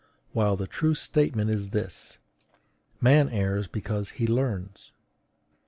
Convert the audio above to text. While the true statement is this: "Man errs, because he learns."